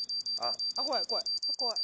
怖い怖い。